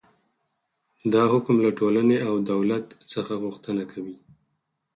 دا حکم له ټولنې او دولت څخه غوښتنه کوي.